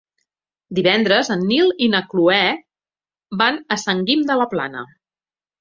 Divendres en Nil i na Cloè van a Sant Guim de la Plana.